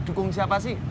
dukung siapa sih